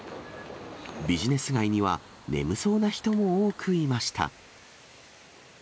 ビジネス街には、眠そうな人も多くいました。